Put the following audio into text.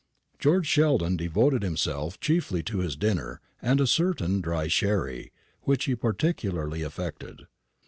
George Sheldon devoted himself chiefly to his dinner and a certain dry sherry, which he particularly affected.